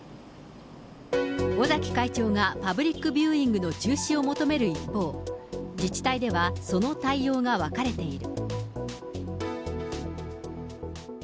尾崎会長がパブリックビューイングの中止を求める一方、自治体ではその対応が分かれている。